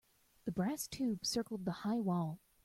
The brass tube circled the high wall.